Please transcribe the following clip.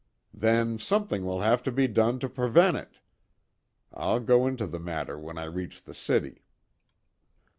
"Then something will have to be done to prevent it. I'll go into the matter when I reach the city."